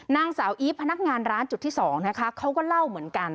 นางสาวอีฟพนักงานร้านจุดที่สองนะคะเขาก็เล่าเหมือนกัน